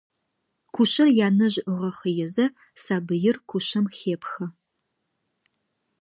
Кушъэр янэжъ ыгъэхъыезэ, сабыир кушъэм хепхэ.